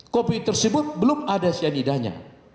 kopi tersebut belum ada cyanidanya